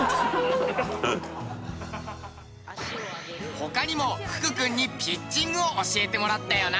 他にも福君にピッチングを教えてもらったよな。